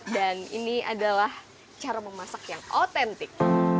dan ini adalah cara memasak yang otentik